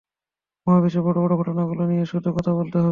মহাবিশ্বের বড় বড় ঘটনাগুলো নিয়ে শুধু কথা বলতে হবে।